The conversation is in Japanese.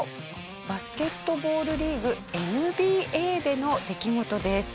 バスケットボールリーグＮＢＡでの出来事です。